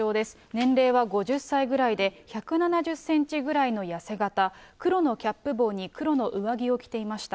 年齢は５０歳ぐらいで、１７０センチぐらいのやせ形、黒のキャップ帽に黒の上着を着ていました。